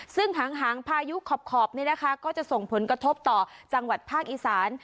ซึ่งหางพายุขอบก็จะส่งผลกระทบต่อจังหวัดภาคอีสาน